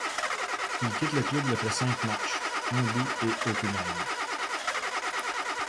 Il quitte le club après cinq matchs, un but et aucune aide.